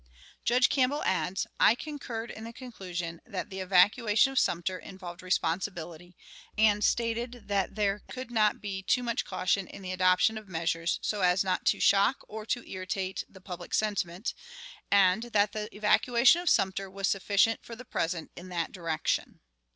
Judge Campbell adds: "I concurred in the conclusion that the evacuation of Sumter involved responsibility, and stated that there could not be too much caution in the adoption of measures so as not to shock or to irritate the public sentiment, and that the evacuation of Sumter was sufficient for the present in that direction.